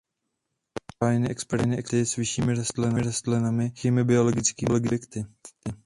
Byly zahájeny experimenty s vyššími rostlinami a dalšími biologickými objekty.